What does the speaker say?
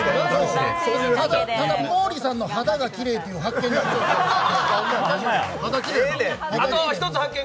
ただ、毛利さんの肌がきれいというのが発見。